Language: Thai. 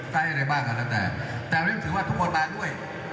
ใจอะไรบ้างค่ะแล้วแต่วันนี้ถือว่าทุกคนงั้นด้วย